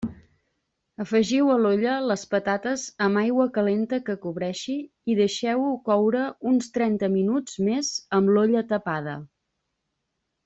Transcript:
Afegiu a l'olla les patates amb aigua calenta que cobreixi i deixeu-ho coure uns trenta minuts més amb l'olla tapada.